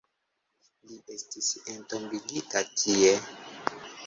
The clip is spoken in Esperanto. Li estis entombigita tie.